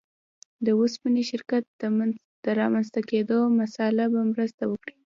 د اوسپنې شرکت د رامنځته کېدو مسأله به مرسته وکړي.